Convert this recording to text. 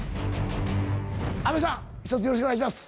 阿部さん一つよろしくお願いします。